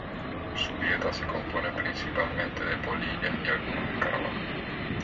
Su dieta se compone principalmente de polillas y algunos escarabajos.